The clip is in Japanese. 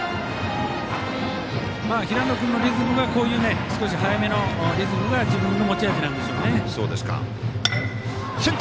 平野君のリズムが少し早めのリズムが自分の持ち味なんですよね。